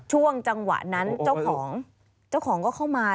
ช่วงจังหวะนั้นเจ้าของก็เข้ามา